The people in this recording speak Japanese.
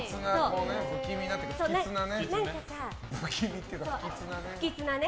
不気味っていうか不吉なね。